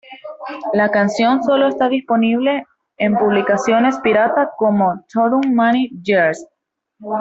La canción solo está disponible en publicaciones pirata como "Through Many Years".